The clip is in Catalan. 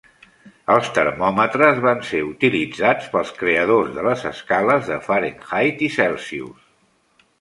Els termòmetres van ser utilitzats pels creadors de les escales de Fahrenheit i Celsius.